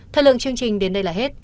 thời lượng chương trình đến đây là hết